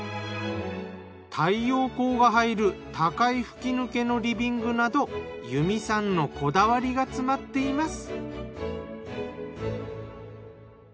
太陽光が入る高い吹き抜けのリビングなど由美さんのこだわりが詰まっています。